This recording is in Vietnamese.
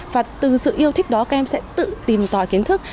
và từ sự yêu thích đó các em sẽ tự tìm tòi kiến thức